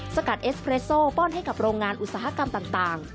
สกัดเอสเรสโซป้อนให้กับโรงงานอุตสาหกรรมต่าง